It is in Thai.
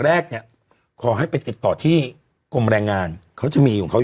แรกเนี่ยขอให้ไปติดต่อที่กรมแรงงานเขาจะมีของเขา